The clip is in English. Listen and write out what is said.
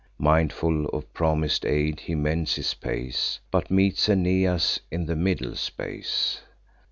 Mindful of promis'd aid, he mends his pace, But meets Aeneas in the middle space.